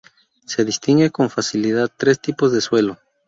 Se distingue con facilidad tres tipos de suelo.